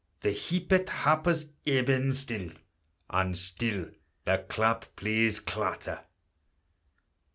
The heapèt happer's ebbing still, And still the clap plays clatter.